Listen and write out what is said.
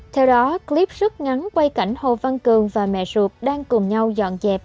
theo đó clip rút ngắn quay cảnh hồ văn cường và mẹ ruột đang cùng nhau dọn dẹp